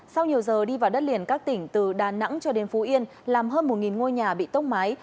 sau nhiều giờ đi vào đất liền các tỉnh từ đà nẵng cho đến phú yên làm hơn một ngôi nhà bị tốc mái